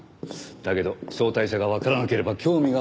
だけど招待者がわからなければ興味が湧いて。